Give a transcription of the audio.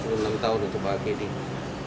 sudah tiga puluh enam tahun untuk pak akiditio